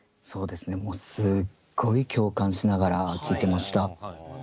もうすっごい共感しながら聞いてました。